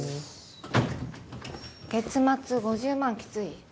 月末５０万きつい？